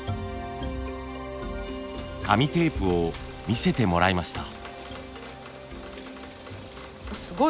紙テープを見せてもらいました。